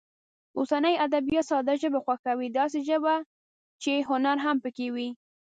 اوسني ادبیات ساده ژبه خوښوي، داسې ساده ژبه چې هنر هم پکې وي.